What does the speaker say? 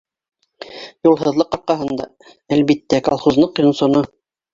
Юлһыҙлыҡ арҡаһында, әлбиттә, колхоз ныҡ йонсоно.